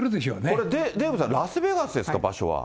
これ、デーブさん、ラスベガスですか、場所は。